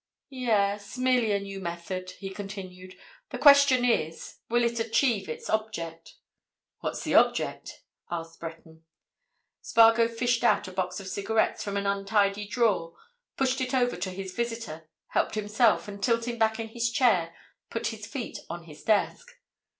"Yes—merely a new method," he continued. "The question is—will it achieve its object?" "What's the object?" asked Breton. Spargo fished out a box of cigarettes from an untidy drawer, pushed it over to his visitor, helped himself, and tilting back his chair, put his feet on his desk.